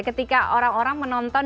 ketika orang orang menonton